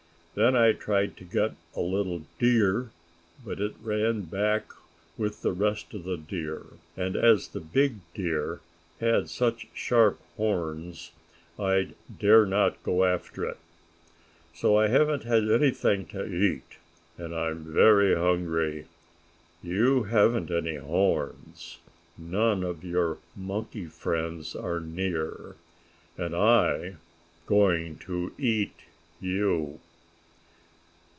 Then I tried to get a little deer, but it ran back with the rest of the deer, and, as the big deer had such sharp horns, I dared not go after it. So I haven't had anything to eat, and I'm very hungry. You haven't any horns, none of your monkey friends are near, and I'm going to eat you!"